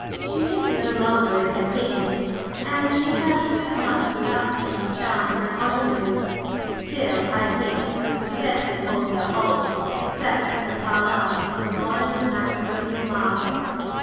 "She is no longer in her teens, and she has too much voluptuous charm for an ingénue. Still, I admit, you would scarcely call her 'old' except in the parlance of the modern matrimonial market.